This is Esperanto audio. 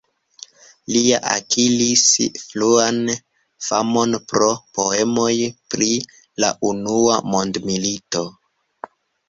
Li akiris fruan famon pro poemoj pri la Unua Mondmilito.